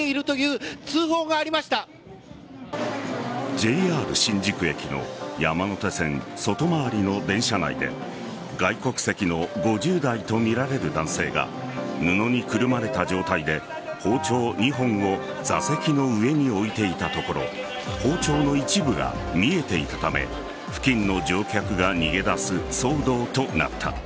ＪＲ新宿駅の山手線外回りの電車内で外国籍の５０代とみられる男性が布にくるまれた状態で包丁２本を座席の上に置いていたところ包丁の一部が見えていたため付近の乗客が逃げ出す騒動となった。